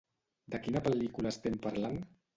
De quina pel·lícula estem parlant?